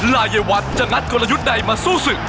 ลายวัฒน์จะนัดกลยุทธ์ใดมาสู้ศึก